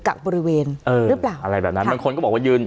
กลับบริเวณเอออะไรแบบนั้นมันคนก็บอกว่ายืน